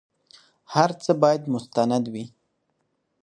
هر څه بايد مستند وي.